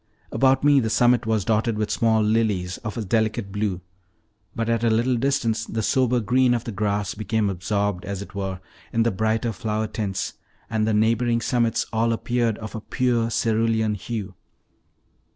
All about me the summit was dotted with small lilies of a delicate blue, but at a little distance the sober green of the grass became absorbed, as it were, in the brighter flower tints, and the neighboring summits all appeared of a pure cerulean hue.